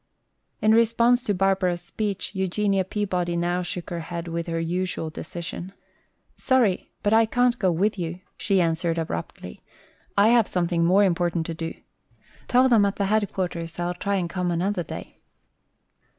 In response to Barbara's speech Eugenia Peabody now shook her head with her usual decision. "Sorry, but I can't go with you," she answered abruptly. "I have something more important to do. Tell them at the headquarters I'll try and come another day."